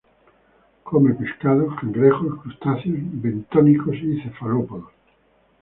Come pescados, cangrejos, crustáceos bentónicos y cefalópodos.